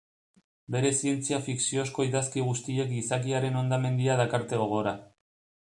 Bere zientzia-fikziozko idazki guztiek gizakiaren hondamendia dakarte gogora.